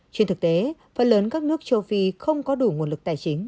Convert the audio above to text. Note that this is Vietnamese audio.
trên thực tế phần lớn các nước châu phi không có đủ nguồn lực tài chính